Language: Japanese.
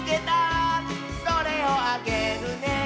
「それをあげるね」